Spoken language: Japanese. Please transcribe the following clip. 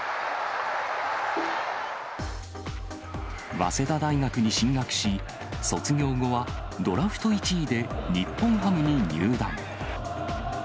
早稲田大学に進学し、卒業後はドラフト１位で日本ハムに入団。